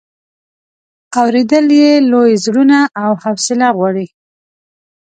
اورېدل یې لوی زړونه او حوصله غواړي.